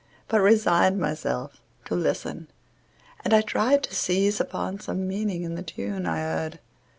but resigned Myself to listen, and I tried to seize Upon some meaning in the tune I heard.